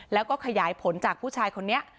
แล้วก็ขยายผลจากผู้ชายคนนี้